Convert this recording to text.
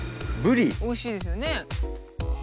おいしいですよね。